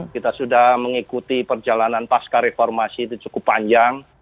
kita sudah mengikuti perjalanan pasca reformasi itu cukup panjang